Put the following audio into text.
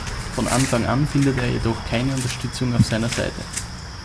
Von Anfang an findet er jedoch keine Unterstützung auf seiner Seite.